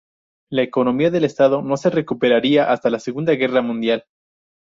La economía del estado no se recuperaría hasta la Segunda Guerra Mundial.